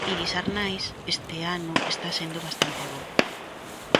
Iris Arnaiz: Este ano está sendo bastante bo.